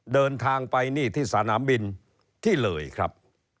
เดินทางไปนี่ที่สนามบินที่เลยครับ